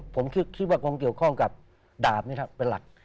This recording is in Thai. ผมคิดว่าคงเกี่ยวข้องกับดาบนี้ครับเป็นหลัก